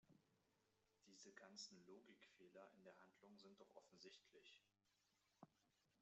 Diese ganzen Logikfehler in der Handlung sind doch offensichtlich!